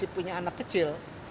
punya anak kecil